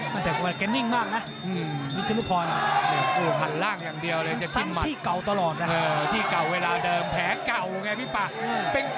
หันแกนิ่งมากนะนิสิมุพร